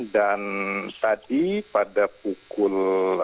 dan tadi pada pukul sepuluh delapan belas